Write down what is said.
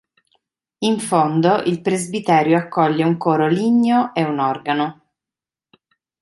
In fondo il presbiterio accoglie un coro ligneo e un organo.